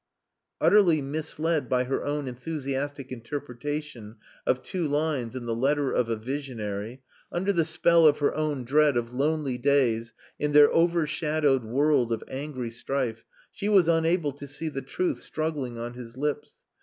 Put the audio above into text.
Utterly misled by her own enthusiastic interpretation of two lines in the letter of a visionary, under the spell of her own dread of lonely days, in their overshadowed world of angry strife, she was unable to see the truth struggling on his lips.